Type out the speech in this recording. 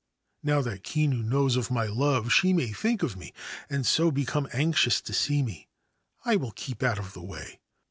* Now that Kinu knows of my love, she may think of me, and so become anxious to see me. I will keep out of the way.